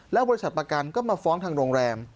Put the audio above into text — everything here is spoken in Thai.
แล้วบริษัทประกันก็มาฟ้องทางโรงแรม